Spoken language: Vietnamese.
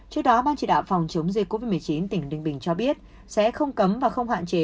trước đó ban chỉ đạo phòng chống dịch covid một mươi chín tỉnh ninh bình cho biết sẽ không cấm và không hạn chế